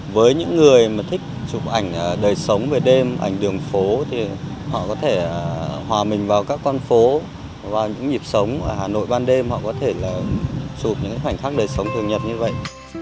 với những người mà thích chụp ảnh đời sống về đêm ảnh đường phố thì họ có thể hòa mình vào các con phố vào những nhịp sống ở hà nội ban đêm họ có thể là chụp những khoảnh khắc đời sống thường nhật như vậy